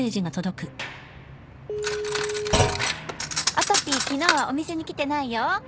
「音ぴー昨日はお店にきてないよ！」